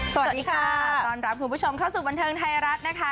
สวัสดีค่ะต้อนรับคุณผู้ชมเข้าสู่บันเทิงไทยรัฐนะคะ